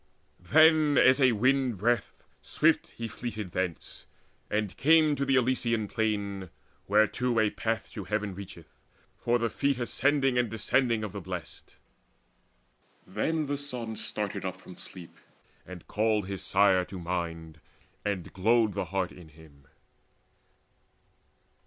Then as a wind breath swift he fleeted thence, And came to the Elysian Plain, whereto A path to heaven reacheth, for the feet Ascending and descending of the Blest. Then the son started up from sleep, and called His sire to mind, and glowed the heart in him.